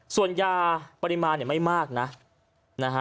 ส่วนยาปริมาณเนี่ยไม่มากนะนะฮะ